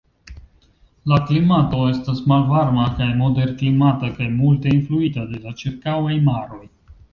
La klimato estas malvarma kaj moderklimata kaj multe influita de la ĉirkaŭaj maroj.